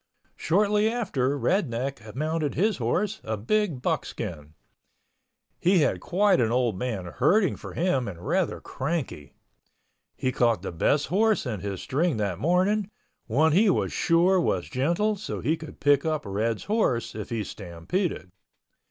Shortly after Red Neck mounted his horse, a big buckskin. He had quite an old man herding for him and rather cranky. He caught the best horse in his string that morning, one he was sure was gentle so he could pick up Red's horse if he stampeded.